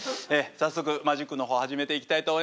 早速マジックの方始めていきたいと思います。